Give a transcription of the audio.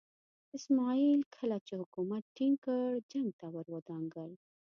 اسماعیل کله چې حکومت ټینګ کړ جنګ ته ور ودانګل.